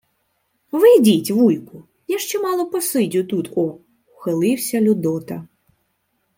— Ви йдіть, вуйку, я ще мало посидю тут-о, — вхилився Людота.